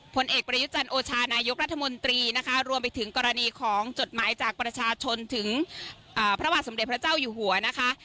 ผลเอกประยุจันทร์โอชานายกรัฐมนตรีนะคะรวมไปถึงกรณีของจดหมายจากประชาชนถึงพระบาทสมเด็จพระเจ้าอยู่หัวนะคะ